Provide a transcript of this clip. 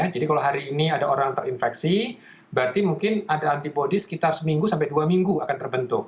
jadi kalau hari ini ada orang terinfeksi berarti mungkin ada antibody sekitar seminggu sampai dua minggu akan terbentuk